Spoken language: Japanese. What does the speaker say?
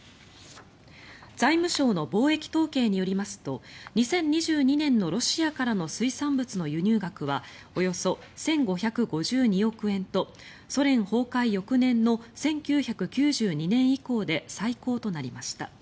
財務省の貿易統計によりますと２０２２年のロシアからの水産物の輸入額はおよそ１５５２億円とソ連崩壊翌年の１９９２年以降で最高となりました。